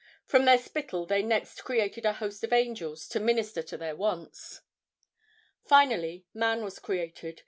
From their spittle they next created a host of angels to minister to their wants. Finally, man was created.